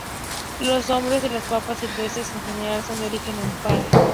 Los nombres de las papas silvestres en general son de origen aymara.